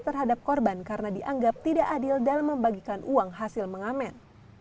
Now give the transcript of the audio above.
terhadap korban karena dianggap tidak adil dalam membagikan uang hasil mengamen